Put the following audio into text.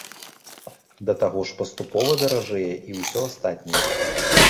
Да таго ж паступова даражэе і ўсё астатняе.